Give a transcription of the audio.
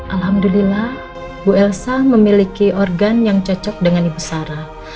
alhamdulillah bu elsa memiliki organ yang cocok dengan ibu sarah